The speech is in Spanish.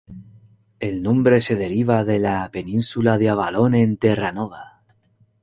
El nombre se deriva de la península de Avalon en Terranova.